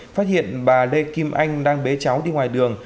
phát hiện bà lê kim anh đang bế cháu đi ngoài đường